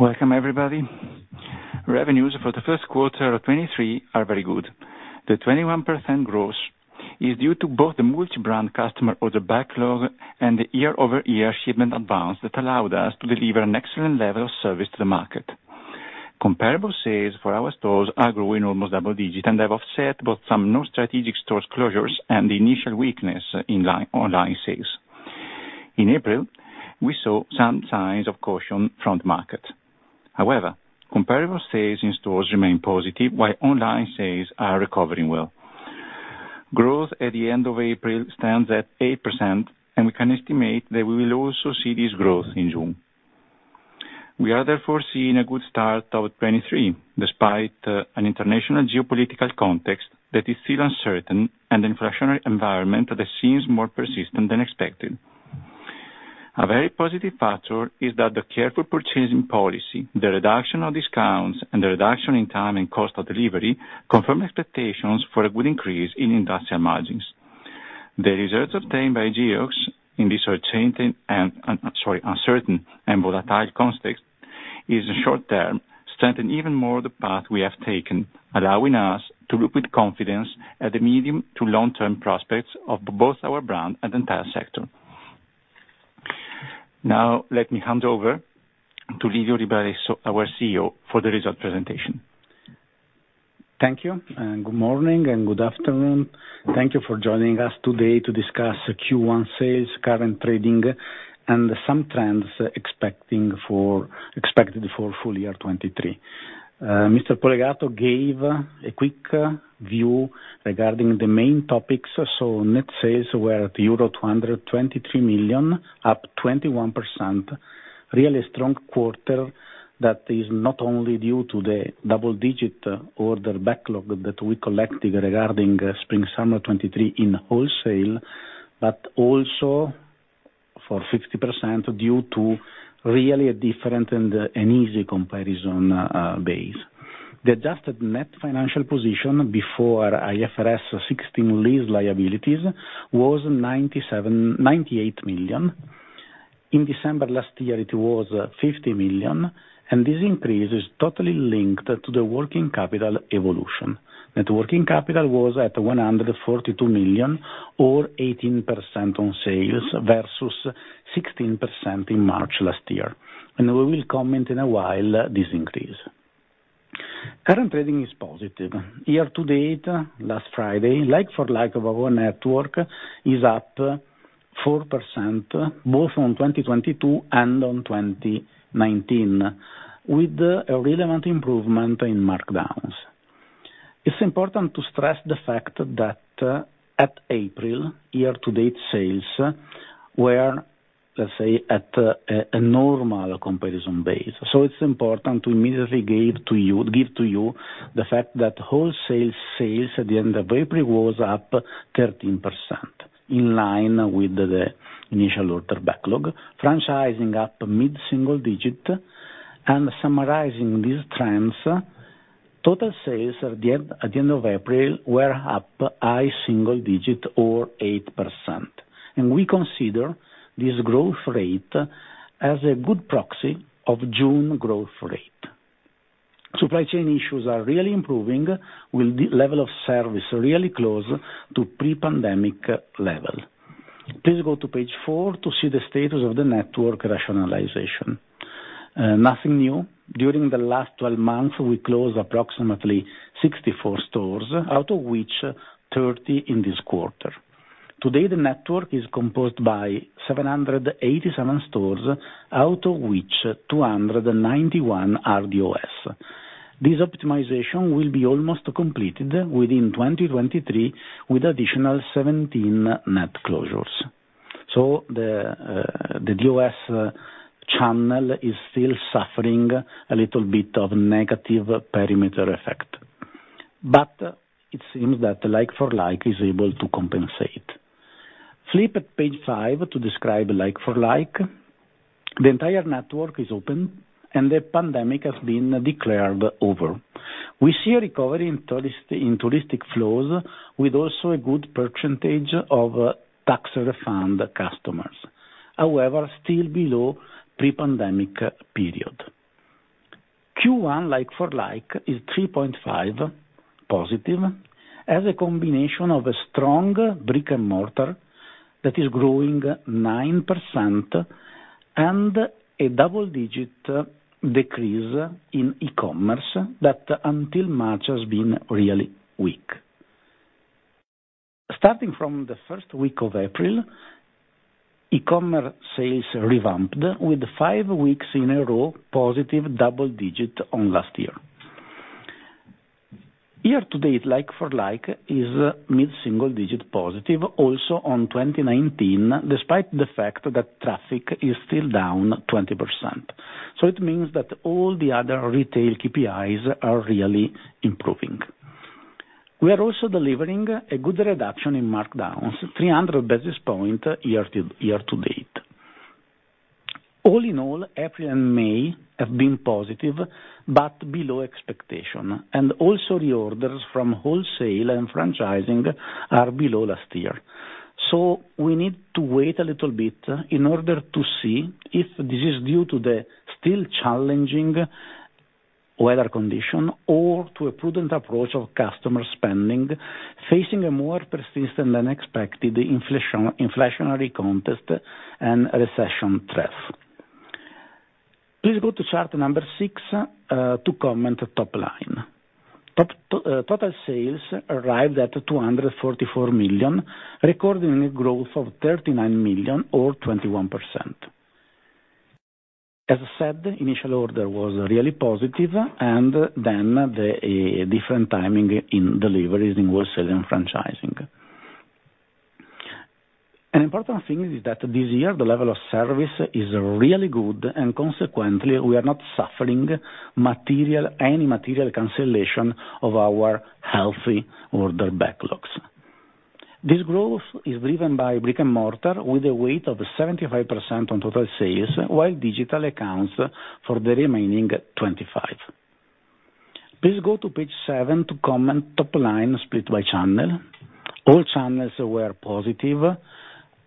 Welcome everybody. Revenues for the first quarter of 2023 are very good. The 21% growth is due to both the multi-brand customer order backlog and the year-over-year shipment advance that allowed us to deliver an excellent level of service to the market. Comparable sales for our stores are growing almost double-digit and have offset both some non-strategic stores closures and the initial weakness in online sales. In April, we saw some signs of caution from the market. However, comparable sales in stores remain positive while online sales are recovering well. Growth at the end of April stands at 8%, and we can estimate that we will also see this growth in June. We are therefore seeing a good start of 2023 despite an international geopolitical context that is still uncertain and an inflationary environment that seems more persistent than expected. A very positive factor is that the careful purchasing policy, the reduction of discounts and the reduction in time and cost of delivery confirm expectations for a good increase in industrial margins. The results obtained by Geox in this uncertain and uncertain and volatile context is short term, strengthen even more the path we have taken, allowing us to look with confidence at the medium to long-term prospects of both our brand and entire sector. Let me hand over to Livio Libralesso, our CEO, for the result presentation. Thank you. Good morning and good afternoon. Thank you for joining us today to discuss the Q1 Sales, Current Trading and Some Trends expected for full-year 2023. Mr. Polegato gave a quick view regarding the main topics. Net sales were at euro 223 million, up 21%. Really strong quarter that is not only due to the double-digit order backlog that we collected regarding spring/summer 23 in wholesale, but also for 50% due to really a different and an easy comparison base. The adjusted net financial position before IFRS 16 lease liabilities was 98 million. In December last year it was 50 million. This increase is totally linked to the working capital evolution. Net working capital was at 142 million or 18% on sales versus 16% in March last year. We will comment in a while this increase. Current trading is positive. Year to date, last Friday, like-for-like of our network is up 4% both on 2022 and on 2019, with a relevant improvement in markdowns. It's important to stress the fact that at April, year-to-date sales were, let's say, at a normal comparison base. It's important to immediately give to you the fact that wholesale sales at the end of April was up 13%, in line with the initial order backlog, franchising up mid-single digit. Summarizing these trends, total sales at the end of April were up high single digit or 8%, and we consider this growth rate as a good proxy of June growth rate. Supply chain issues are really improving with the level of service really close to pre-pandemic level. Please go to page four to see the status of the network rationalization. Nothing new. During the last 12 months, we closed approximately 64 stores, out of which 30 in this quarter. Today, the network is composed by 787 stores, out of which 291 are DOS. This optimization will be almost completed within 2023 with additional 17 net closures. The DOS channel is still suffering a little bit of negative perimeter effect. It seems that like-for-like is able to compensate. Flip at page five to describe like-for-like. The entire network is open and the pandemic has been declared over. We see a recovery in touristic flows with also a good percentage of tax refund customers, however still below pre-pandemic period. Q1 like-for-like is 3.5% positive as a combination of a strong brick-and-mortar that is growing 9% and a double-digit decrease in e-commerce that until March has been really weak. Starting from the first week of April, e-commerce sales revamped with five weeks in a row positive double-digit on last year. Year-to-date, like-for-like is mid-single digit positive also on 2019, despite the fact that traffic is still down 20%. It means that all the other retail KPIs are really improving. We are also delivering a good reduction in markdowns, 300 basis points year-to-date. April and May have been positive but below expectation. Also reorders from wholesale and franchising are below last year. We need to wait a little bit in order to see if this is due to the still challenging weather condition or to a prudent approach of customer spending, facing a more persistent than expected inflation, inflationary context and recession threat. Please go to chart number six to comment the top line. Total sales arrived at 244 million, recording a growth of 39 million or 21%. As I said, initial order was really positive and then the different timing in deliveries in wholesale and franchising. An important thing is that this year the level of service is really good and consequently we are not suffering any material cancellation of our healthy order backlogs. This growth is driven by brick-and-mortar with a weight of 75% on total sales, while digital accounts for the remaining 25. Please go to page seven to comment top line split by channel. All channels were positive.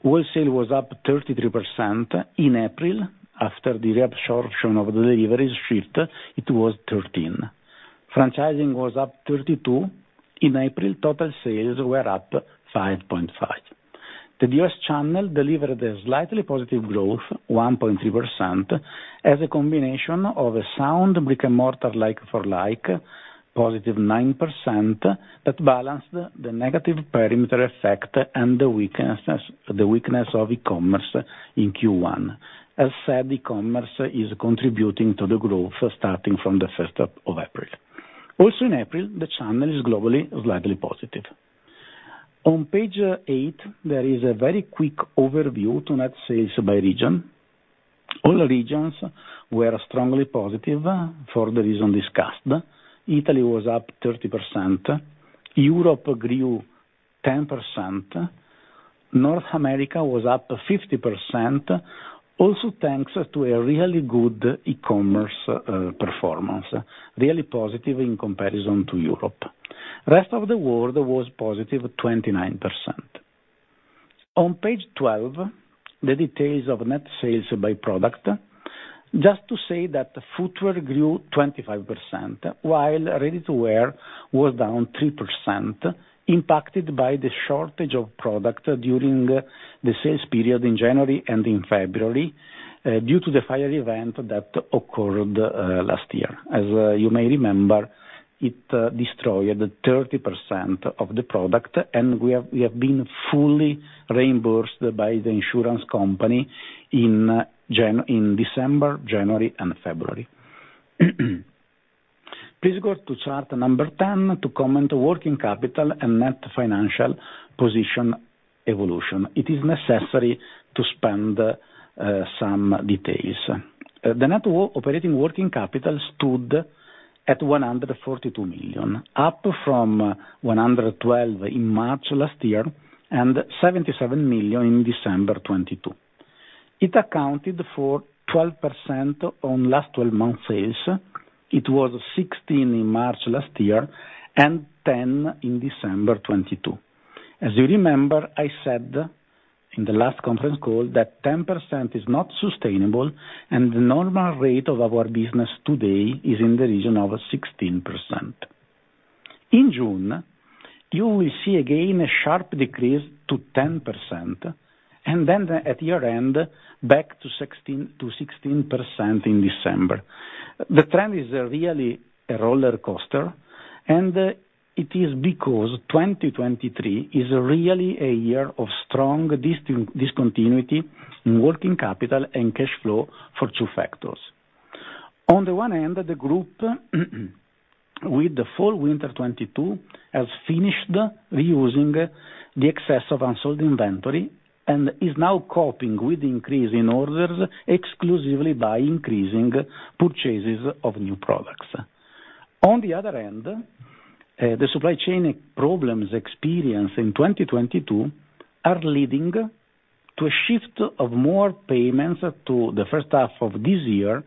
Wholesale was up 33%. In April, after the reabsorption of the deliveries shift, it was 13. Franchising was up 32. In April, total sales were up 5.5. The DS channel delivered a slightly positive growth, 1.3%, as a combination of a sound brick-and-mortar like-for-like, positive 9%, that balanced the negative perimeter effect and the weakness of e-commerce in Q1. As said, e-commerce is contributing to the growth starting from the first half of April. Also in April, the channel is globally slightly positive. On page eight, there is a very quick overview to net sales by region. All regions were strongly positive for the reason discussed. Italy was up 30%. Europe grew 10%. North America was up 50%, also thanks to a really good e-commerce performance, really positive in comparison to Europe. Rest of the world was positive 29%. On page 12, the details of net sales by product. Just to say that the footwear grew 25%, while ready-to-wear was down 3%, impacted by the shortage of product during the sales period in January and in February, due to the fire event that occurred last year. As you may remember, it destroyed 30% of the product, and we have been fully reimbursed by the insurance company in December, January and February. Please go to chart number 10 to comment working capital and net financial position evolution. It is necessary to spend some details. The net operating working capital stood at 142 million, up from 112 million in March last year, and 77 million in December 2022. It accounted for 12% on last 12-month sales. It was 16% in March last year, and 10% in December 2022. As you remember, I said in the last conference call that 10% is not sustainable and the normal rate of our business today is in the region of 16%. In June, you will see again a sharp decrease to 10%, and then at year-end back to 16%, to 16% in December. The trend is really a roller coaster, and it is because 2023 is really a year of strong discontinuity in working capital and cash flow for two factors. On the one end, the group with the full winter 2022 has finished reusing the excess of unsold inventory and is now coping with the increase in orders exclusively by increasing purchases of new products. On the other end, the supply chain problems experienced in 2022 are leading to a shift of more payments to the first half of this year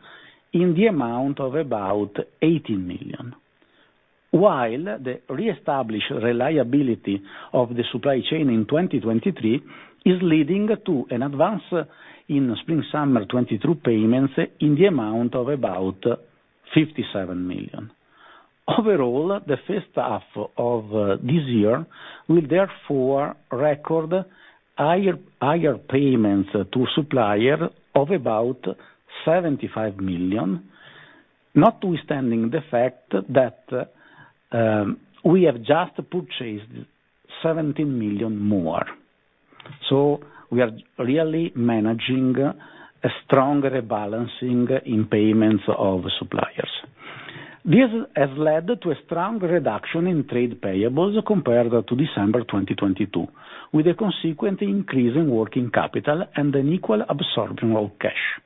in the amount of about 80 million. While the reestablished reliability of the supply chain in 2023 is leading to an advance in spring summer 2022 payments in the amount of about 57 million. Overall, the first half of this year will therefore record higher payments to supplier of about 75 million, notwithstanding the fact that we have just purchased 17 million more. We are really managing a stronger balancing in payments of suppliers. This has led to a strong reduction in trade payables compared to December 2022, with a consequent increase in working capital and an equal absorption of cash.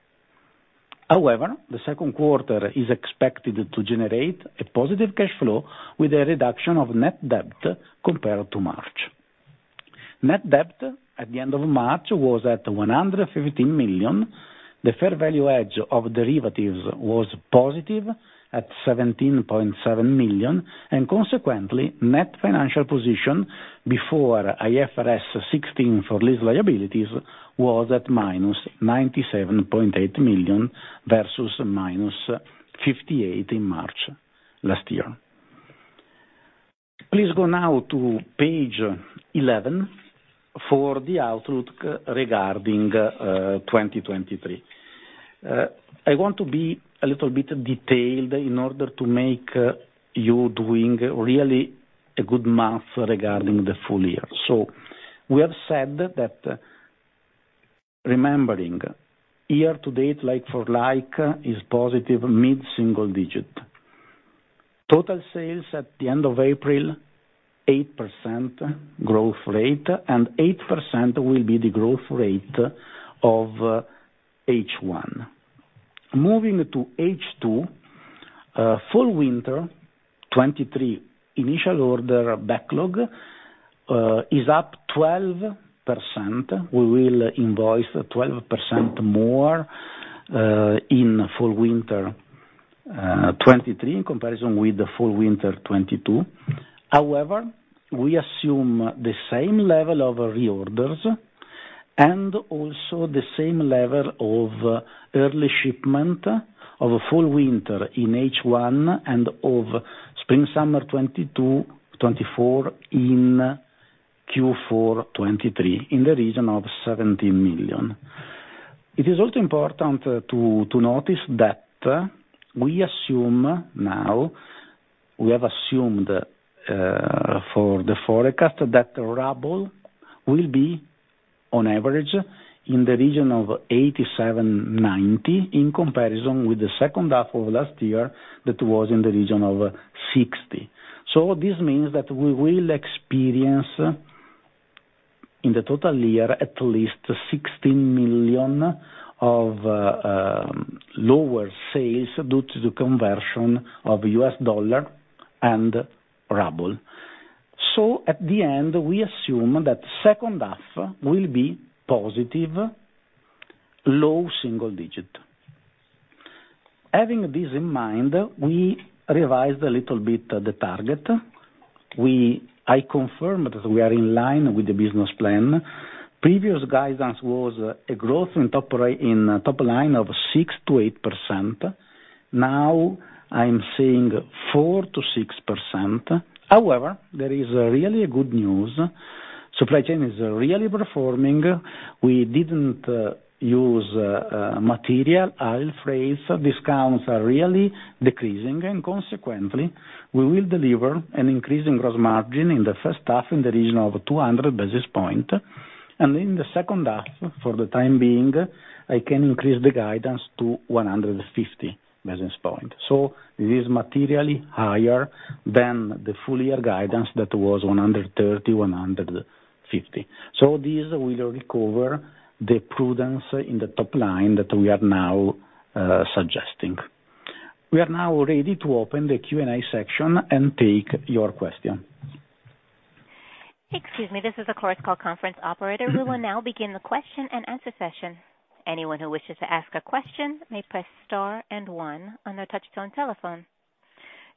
The second quarter is expected to generate a positive cash flow with a reduction of net debt compared to March. Net debt at the end of March was at 115 million. The fair value edge of derivatives was positive at 17.7 million, and consequently, net financial position before IFRS 16 for lease liabilities was at -97.8 million versus -58 in March last year. Please go now to page 11 for the outlook regarding 2023. I want to be a little bit detailed in order to make you doing really a good math regarding the full year. We have said that remembering year to date like-for-like is positive mid-single digit. Total sales at the end of April, 8% growth rate, and 8% will be the growth rate of H1. Moving to H2, fall winter 2023 initial order backlog is up 12%. We will invoice 12% more in fall winter 2023 in comparison with the fall winter 2022. However, we assume the same level of reorders and also the same level of early shipment of fall winter in H1 and of spring summer 2022, 2024 in Q4 2023 in the region of 17 million. It is also important to notice that we have assumed for the forecast that Ruble will be on average in the region of 87, 90 in comparison with the second half of last year that was in the region of 60. This means that we will experience, in the total year, at least 16 million of lower sales due to the conversion of US dollar and Ruble. At the end, we assume that second half will be positive, low single digit. Having this in mind, we revised a little bit the target. I confirm that we are in line with the business plan. Previous guidance was a growth in top line of 6%-8%. Now I'm saying 4%-6%. However, there is a really good news. Supply chain is really performing. We didn't use material. All freight discounts are really decreasing, consequently, we will deliver an increase in gross margin in the first half in the region of 200 basis points. In the second half, for the time being, I can increase the guidance to 150 basis points. It is materially higher than the full-year guidance that was 130-150 basis points. This will recover the prudence in the top line that we are now suggesting. We are now ready to open the Q&A section and take your question. Excuse me, this is the Chorus Call conference operator. We will now begin the question-and-answer session. Anyone who wishes to ask a question may press Star and One on their touch-tone telephone.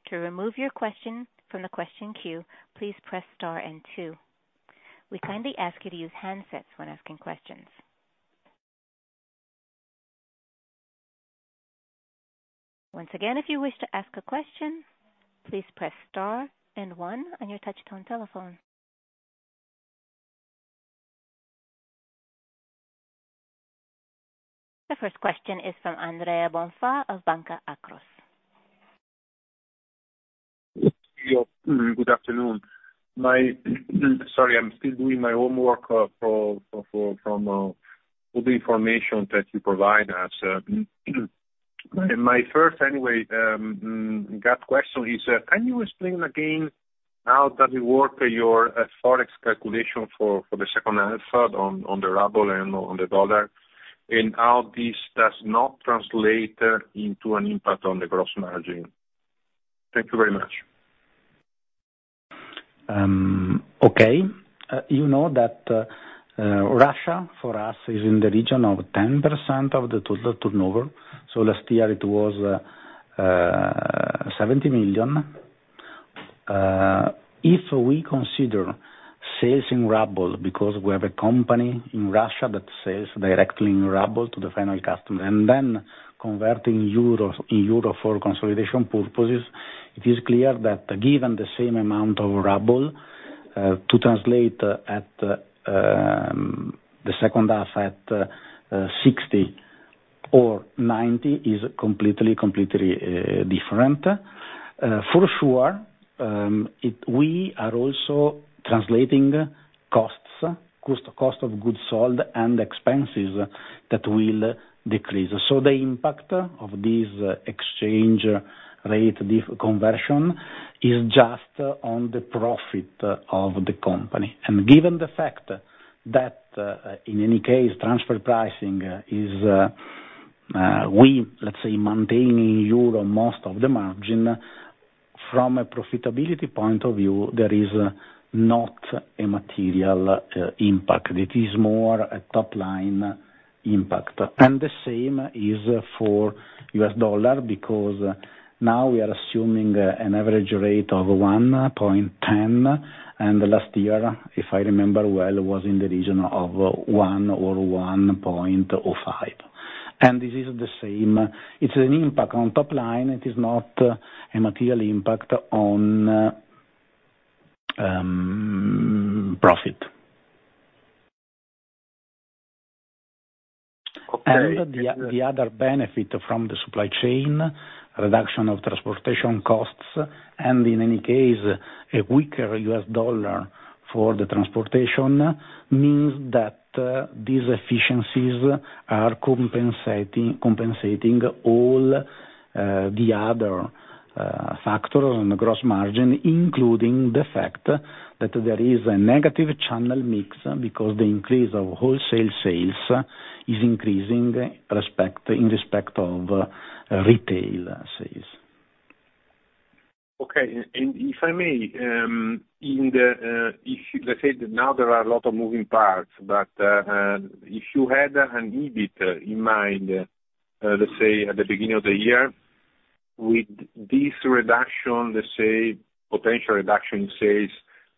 To remove your question from the question queue, please press Star and Two. We kindly ask you to use handsets when asking questions. Once again, if you wish to ask a question, please press Star and One on your touch-tone telephone. The first question is from Andrea Bonfà of Banca Akros. Good afternoon. Sorry, I'm still doing my homework for, from all the information that you provide us. My first, anyway, gut question is, can you explain again how does it work your Forex calculation for the second half on the Ruble and on the dollar, and how this does not translate into an impact on the gross margin? Thank you very much. Okay. You know that Russia, for us, is in the region of 10% of the total turnover. Last year it was 70 million. If we consider sales in Ruble because we have a company in Russia that sells directly in Ruble to the final customer and then converting euros, euro for consolidation purposes, it is clear that given the same amount of Ruble, to translate at the second half at 60 or 90 is completely different. For sure, we are also translating costs, cost of goods sold and expenses that will decrease. The impact of this exchange rate conversion is just on the profit of the company. Given the fact that, in any case, transfer pricing is, we, let's say, maintaining EUR most of the margin. From a profitability point of view, there is not a material impact. It is more a top line impact. The same is for US dollar, because now we are assuming an average rate of 1.10, and the last year, if I remember well, was in the region of 1.00 or 1.05. This is the same. It's an impact on top line. It is not a material impact on profit. Okay. The other benefit from the supply chain, reduction of transportation costs, and in any case, a weaker US dollar for the transportation, means that these efficiencies are compensating all the other factors on the gross margin, including the fact that there is a negative channel mix because the increase of wholesale sales is increasing respect, in respect of retail sales. Okay. If I may, in the, if you let's say that now there are a lot of moving parts, but, if you had an EBIT in mind, let's say at the beginning of the year, with this reduction, let's say potential reduction in sales,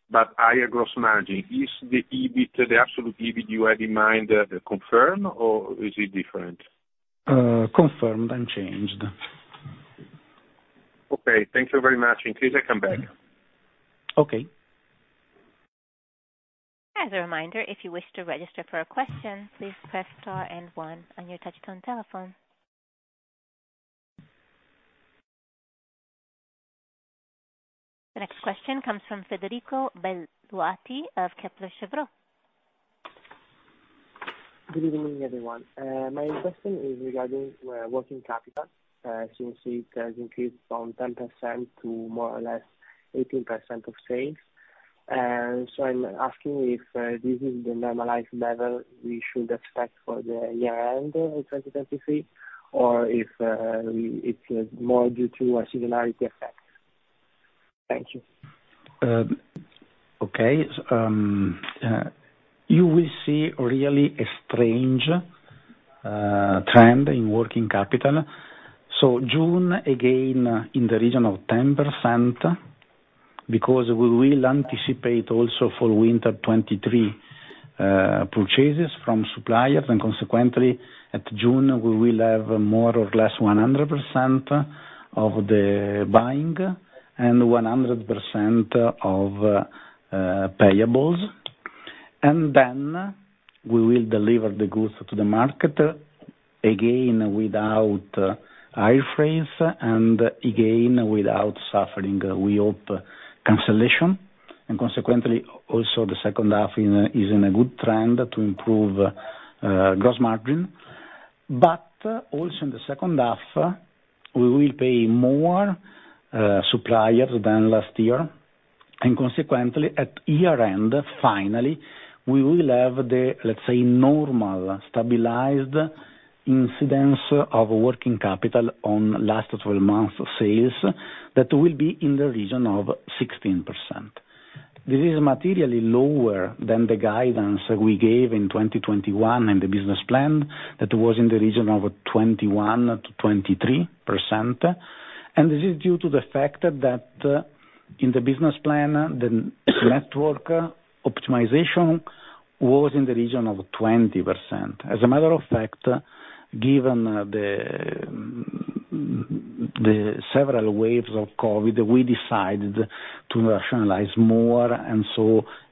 but higher gross margin, is the EBIT, the absolute EBIT you had in mind, confirmed or is it different? Confirmed and changed. Okay, thank you very much. In case I come back. Okay. As a reminder, if you wish to register for a question, please press star and one on your touchtone telephone. The next question comes from Federico Belduati of Kepler Cheuvreux. Good evening, everyone. My question is regarding working capital, since it has increased from 10% to more or less 18% of sales. I'm asking if this is the normalized level we should expect for the year end of 2023, or if it's more due to a seasonality effect. Thank you. You will see really a strange trend in working capital. June, again, in the region of 10%, because we will anticipate also for winter 2023 purchases from suppliers, and consequently, at June, we will have more or less 100% of the buying and 100% of payables. We will deliver the goods to the market, again, without air freight and again without suffering, we hope, cancellation. Also the second half is in a good trend to improve gross margin. Also in the second half, we will pay more suppliers than last year. At year-end, finally, we will have the, let's say, normal stabilized incidence of working capital on last 12 months of sales that will be in the region of 16%. This is materially lower than the guidance we gave in 2021 in the business plan that was in the region of 21%-23%. This is due to the fact that in the business plan, the network optimization was in the region of 20%. As a matter of fact, given the several waves of COVID, we decided to rationalize more.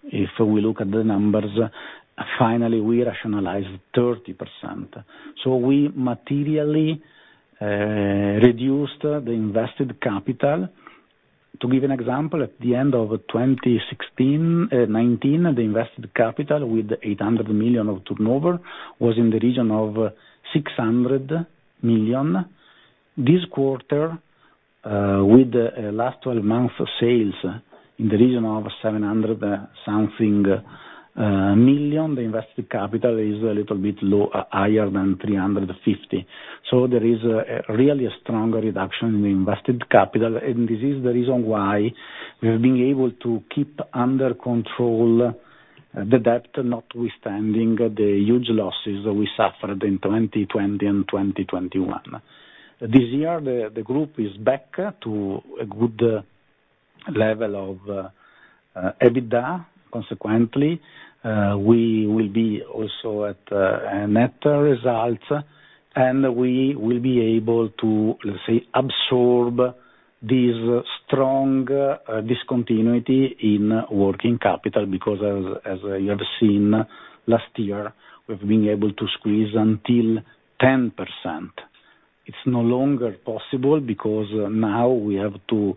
If we look at the numbers, finally, we rationalized 30%. We materially reduced the invested capital. To give an example, at the end of 2016, 2019, the invested capital with 800 million of turnover was in the region of 600 million. This quarter, with last 12 months of sales in the region of 700 something million, the invested capital is a little bit low, higher than 350. There is really a strong reduction in invested capital, and this is the reason why we have been able to keep under control the debt, notwithstanding the huge losses that we suffered in 2020 and 2021. This year, the group is back to a good level of EBITDA, consequently. We will be also at a net result, and we will be able to, let's say, absorb this strong discontinuity in working capital because as you have seen, last year, we've been able to squeeze until 10%. It's no longer possible because now we have to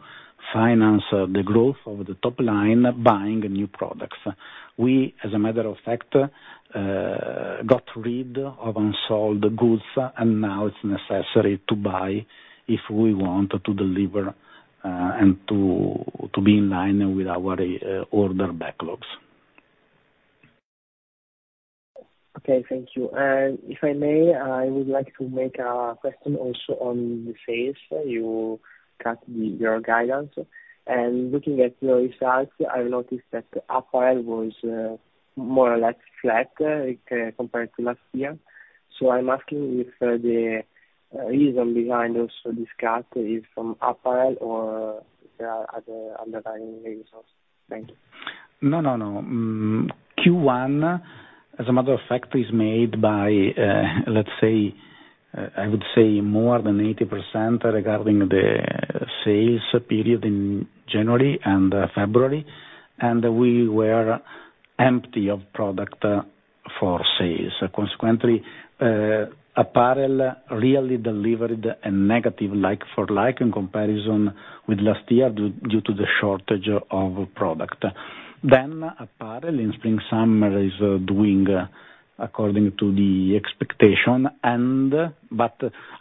finance the growth of the top line buying new products. We, as a matter of fact, got rid of unsold goods. Now it's necessary to buy if we want to deliver and to be in line with our order backlogs. Okay, thank you. If I may, I would like to make a question also on the sales. You cut your guidance. Looking at your results, I noticed that apparel was more or less flat compared to last year. I'm asking if the reason behind also this cut is from apparel or if there are other underlying reasons? Thank you. No, no. Q1, as a matter of fact, is made by, let's say, I would say more than 80% regarding the sales period in January and February. We were empty of product for sales. Consequently, apparel really delivered a negative like-for-like in comparison with last year due to the shortage of product. Apparel in spring/summer is doing according to the expectation.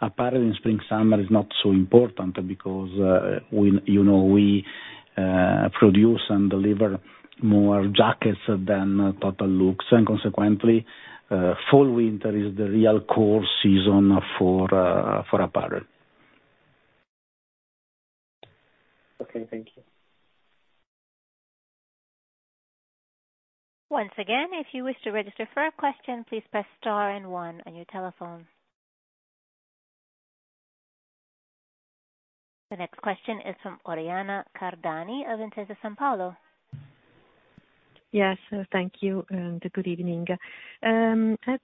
Apparel in spring/summer is not so important because, when, you know we, produce and deliver more jackets than total looks. Consequently, fall/winter is the real core season for apparel. Okay, thank you. Once again, if you wish to register for a question, please press star and one on your telephone. The next question is from Oriana Cardani of Intesa Sanpaolo. Yes, thank you, and good evening. I've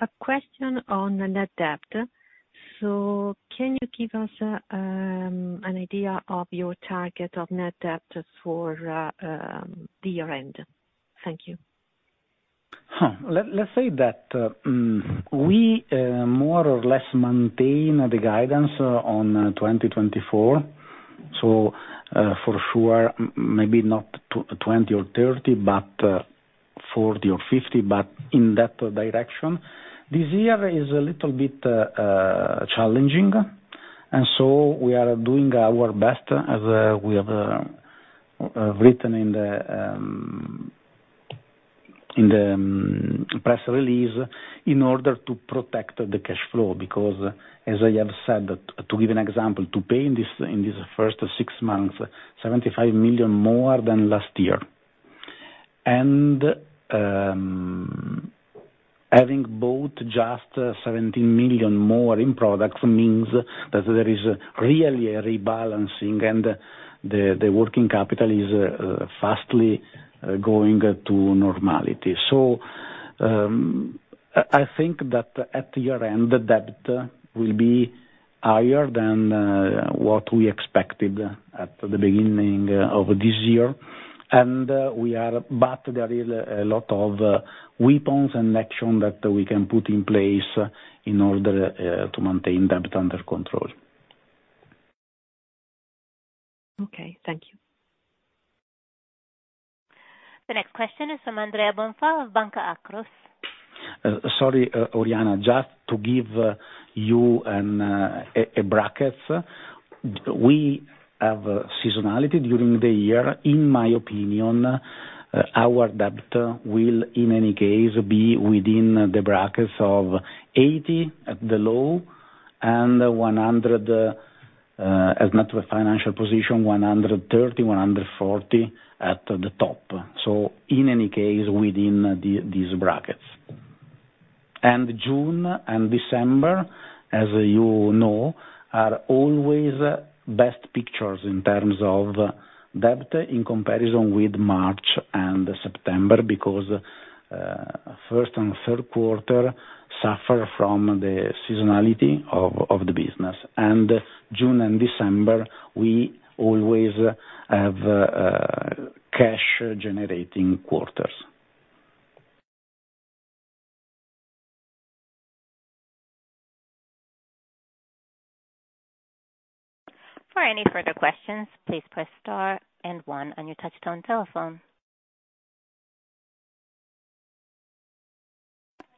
a question on net debt. Can you give us an idea of your target of net debt for the year end? Thank you. Let's say that we more or less maintain the guidance on 2024. For sure, maybe not 20 or 30, but 40 or 50, but in that direction. This year is a little bit challenging, we are doing our best as we have written in the press release in order to protect the cash flow because, as I have said, to give an example, to pay in this six months 75 million more than last year. Having bought just 17 million more in products means that there is really a rebalancing and the working capital is fastly going to normality. I think that at year-end, the debt will be higher than what we expected at the beginning of this year. There is a lot of weapons and action that we can put in place in order to maintain debt under control. Okay, thank you. The next question is from Andrea Bonfà of Banca Akros. Sorry, Oriana, just to give you a bracket. We have seasonality during the year. In my opinion, our debt will, in any case, be within the brackets of 80 at the low and 100, as net with financial position, 130, 140 at the top. In any case, within these brackets. June and December, as you know, are always best pictures in terms of debt in comparison with March and September, because first and third quarter suffer from the seasonality of the business. June and December, we always have cash generating quarters. For any further questions, please press star one on your touch-tone telephone.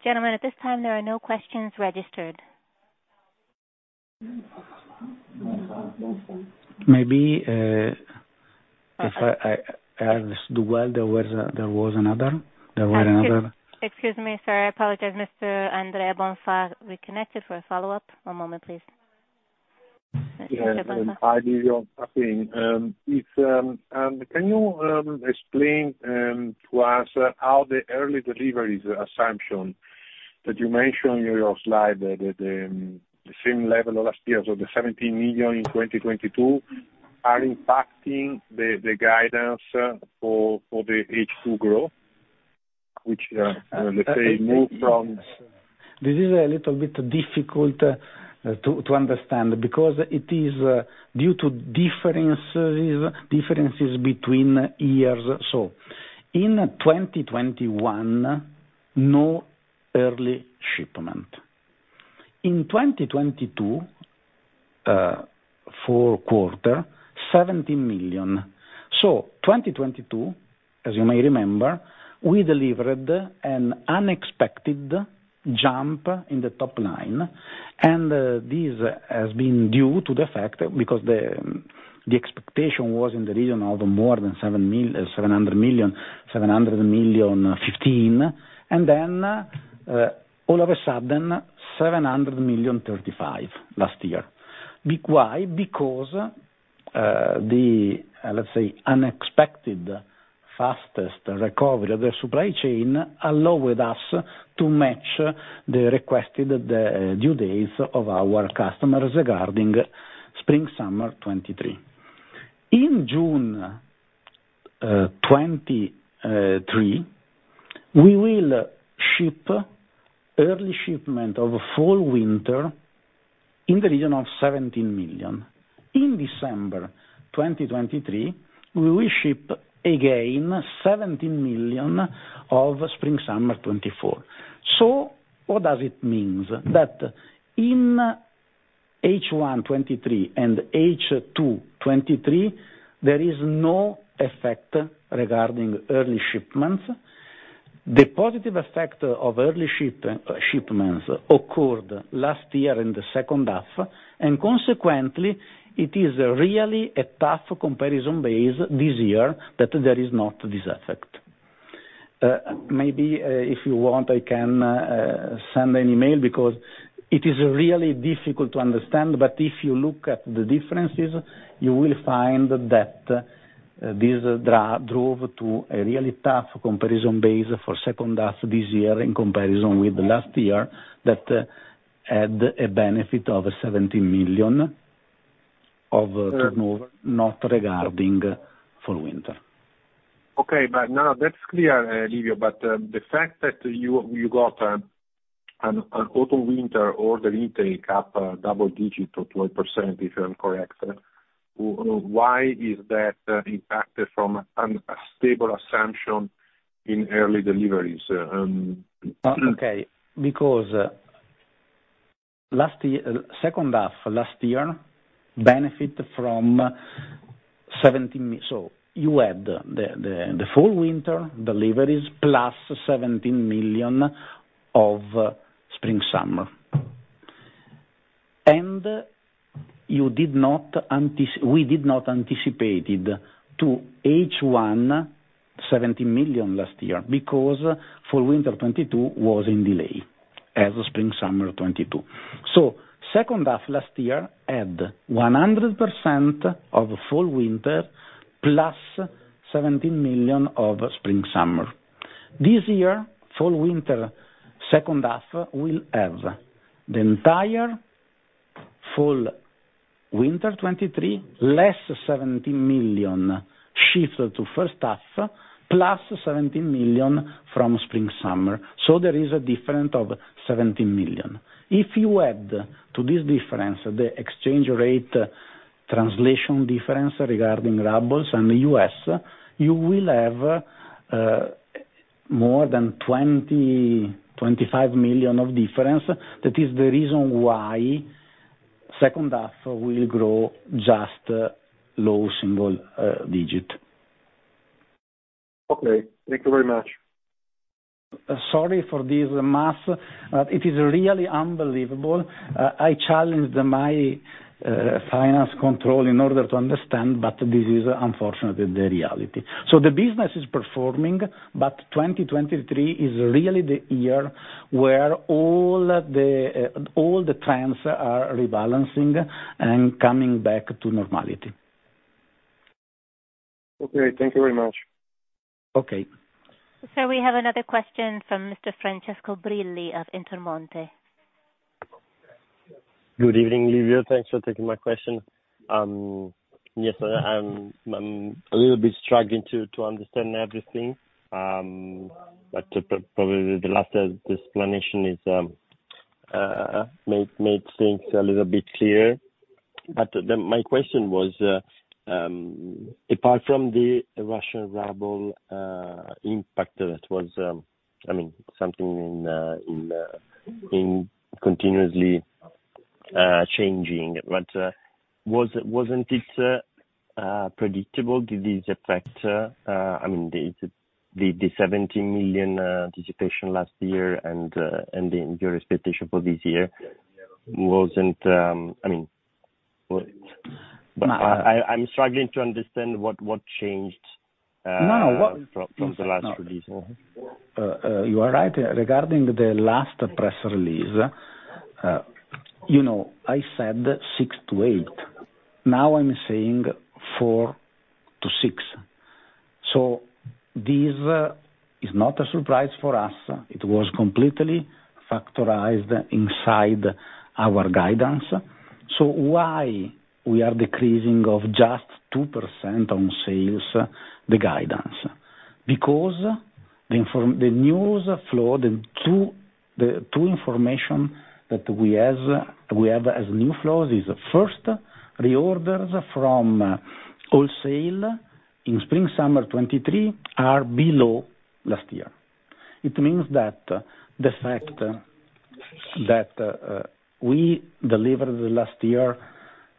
Gentlemen, at this time, there are no questions registered. Maybe, if I ask, there was another. Excuse me, sir. I apologize, Mr. Andrea Bonfà. We connected for a follow-up. One moment, please. Mr. Andrea Bonfà. Yes. Hi, Livio. If can you explain to us how the early deliveries assumption that you mentioned in your slide with the same level of last year, so the 17 million in 2022, are impacting the guidance for the H2 growth, which let's say move from...? This is a little bit difficult to understand because it is due to differences between years. In 2021, no early shipment. In 2022, four quarter, 17 million. 2022, as you may remember, we delivered an unexpected jump in the top line, and this has been due to the fact because The expectation was in the region of more than 700 million, 715 million, and then, all of a sudden, 735 million last year. Why? Because the, let's say, unexpected fastest recovery of the supply chain allowed us to match the requested due dates of our customers regarding spring, summer 2023. In June 2023, we will ship early shipment of fall, winter in the region of 17 million. In December 2023, we will ship again 17 million of spring, summer 2024. What does it means? That in H1 2023 and H2 2023, there is no effect regarding early shipments. The positive effect of early shipments occurred last year in the second half, and consequently, it is really a tough comparison base this year that there is not this effect. Maybe if you want, I can send an email because it is really difficult to understand. If you look at the differences, you will find that this drove to a really tough comparison base for second half this year in comparison with the last year that had a benefit of 17 million of turnover, not regarding fall, winter. Now that's clear, Livio, the fact that you got an auto winter order intake up double digit to 12%, if I'm correct, why is that impacted from a stable assumption in early deliveries? Because last year, second half last year benefit from 17 mi. You had the full winter deliveries plus 17 million of spring, summer. We did not anticipated to H1 17 million last year because fall, winter 2022 was in delay as spring, summer 2022. Second half last year had 100% of fall, winter, plus 17 million of spring, summer. This year, fall, winter, second half, we'll have the entire fall, winter 2023, less 17 million shifted to first half, plus 17 million from spring, summer. There is a difference of 17 million. If you add to this difference the exchange rate translation difference regarding Rubles and the U.S., you will have more than 20, 25 million of difference. That is the reason why second half will grow just low single-digit. Okay. Thank you very much. Sorry for this math. It is really unbelievable. I challenged my finance control in order to understand, but this is unfortunately the reality. The business is performing, 2023 is really the year where all the trends are rebalancing and coming back to normality. Okay. Thank you very much. Okay. Sir, we have another question from Mr. Francesco Brilli of Intermonte. Good evening, Livio. Thanks for taking my question. Yes, I'm a little bit struggling to understand everything, but probably the last explanation is made things a little bit clear. My question was, apart from the Russian Ruble impact that was, I mean, something in continuously changing, but wasn't it predictable, this effect? I mean, the 17 million anticipation last year and your expectation for this year wasn't, I mean, No. I'm struggling to understand what changed? No. What- From the last release. You are right. Regarding the last press release, you know, I said 6-8. Now I'm saying 4-6. This is not a surprise for us. It was completely factorized inside our guidance. Why we are decreasing of just 2% on sales the guidance? Because the news flow, the two information that we have as news flows is first, reorders from wholesale in spring/summer 2023 are below last year. It means that the fact that we delivered last year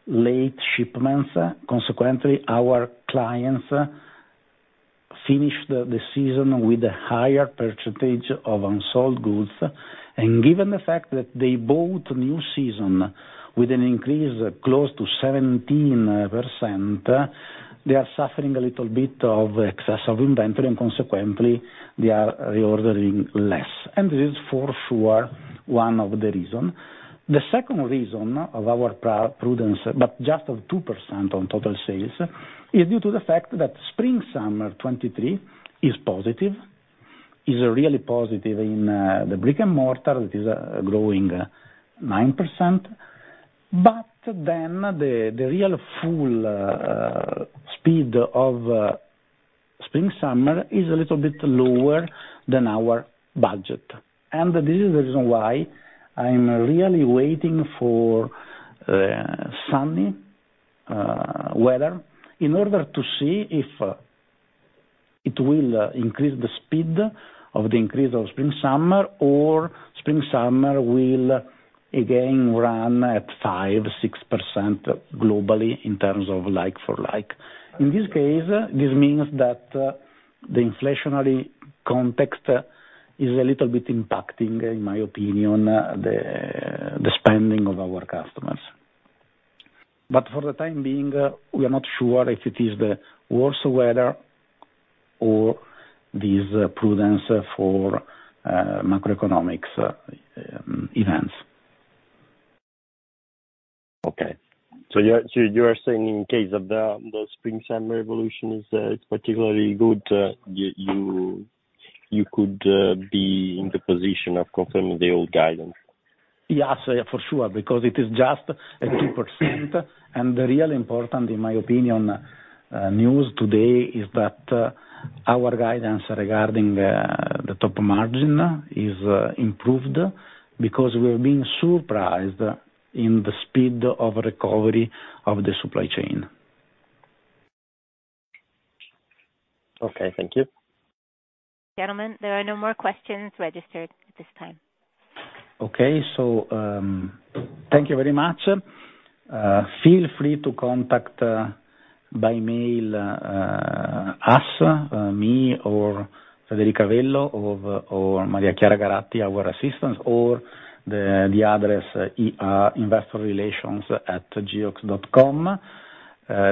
late shipments, consequently, our clients finished the season with a higher percentage of unsold goods. Given the fact that they bought new season with an increase close to 17%, they are suffering a little bit of excess of inventory, and consequently, they are reordering less. This is for sure one of the reasons. The second reason of our prudence, just of 2% on total sales, is due to the fact that spring/summer 2023 is positive. Is really positive in the brick-and-mortar. It is growing 9%. The real full speed of spring/summer is a little bit lower than our budget. This is the reason why I'm really waiting for sunny weather in order to see if it will increase the speed of the increase of spring/summer or spring/summer will again run at 5%, 6% globally in terms of like-for-like. In this case, this means that the inflationary context is a little bit impacting, in my opinion, the spending of our customers. For the time being, we are not sure if it is the worse weather or this prudence for macroeconomics events. You are saying in case of the spring/summer evolution is particularly good, you could be in the position of confirming the old guidance? Yes. Yeah, for sure, because it is just a 2%. The real important, in my opinion, news today is that our guidance regarding the top margin is improved because we're being surprised in the speed of recovery of the supply chain. Okay, thank you. Gentlemen, there are no more questions registered at this time. Okay. Thank you very much. Feel free to contact by mail us, me or Federica Vello or Maria Chiara Garatti, our assistants or the address investorrelations@geox.com.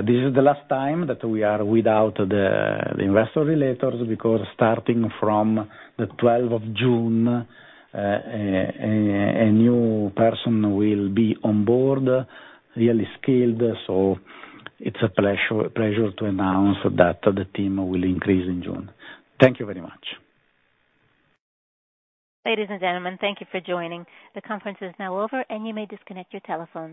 This is the last time that we are without the investor relations because starting from the 12th of June, a new person will be on board, really skilled, so it's a pleasure to announce that the team will increase in June. Thank you very much. Ladies and gentlemen, thank you for joining. The conference is now over and you may disconnect your telephones.